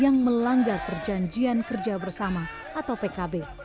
yang melanggar perjanjian kerja bersama atau pkb